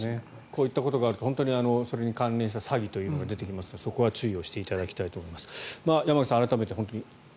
こういったことがあるとそれに関連した詐欺というのが出てきますがそこは注意していただきたいと思います。